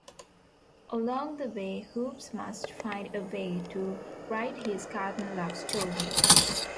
Along the way, Hoops must find a way to write his cartoon love story.